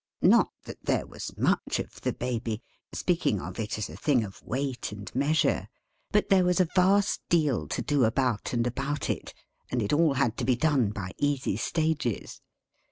Not that there was much of the Baby: speaking of it as a thing of weight and measure: but there was a vast deal to do about and about it, and it all had to be done by easy stages.